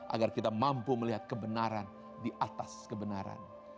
agar kita mampu melihat kebenaran di atas kebenaran